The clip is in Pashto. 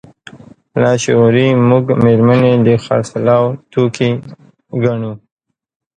لاشعوري موږ مېرمنې د خرڅلاو توکي ګڼو.